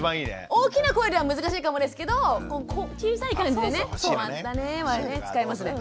大きな声では難しいかもですけど小さい感じでね「こまったね」はね使えますね。